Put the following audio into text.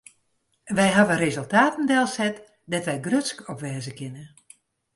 Wy hawwe resultaten delset dêr't wy grutsk op wêze kinne.